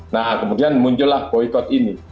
nah kemudian muncullah boykot ini